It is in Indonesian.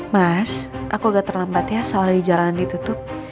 mas aku agak terlambat ya soalnya di jalanan ditutup